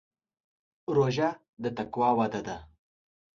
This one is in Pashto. روژه د تقوا وده کوي.